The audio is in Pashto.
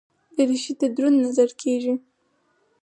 دریشي ته دروند نظر کېږي.